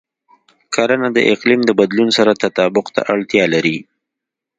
کرنه د اقلیم د بدلون سره تطابق ته اړتیا لري.